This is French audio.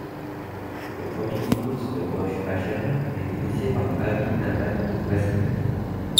Le premier kibboutz de Rosh Hachana est initié par Rabbi Nahman de Breslev.